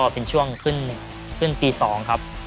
เป็นช่วงขึ้นตี๒ครับ